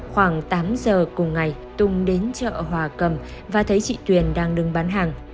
khoảng tám giờ cùng ngày tùng đến chợ hòa cầm và thấy chị tuyền đang đứng bán hàng